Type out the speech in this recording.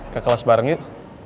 ke kelas bareng yuk